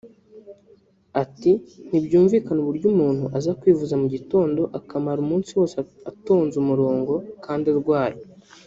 Ati “Ntibyumvikana uburyo umuntu aza kwivuza mu gitondo akamara umunsi wose atonze umurongo kandi arwaye